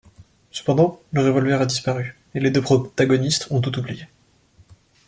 Cependant, le revolver a disparu, et les deux protagonistes ont tout oublié.